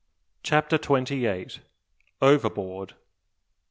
CHAPTER TWENTY EIGHT. "OVERBOARD!"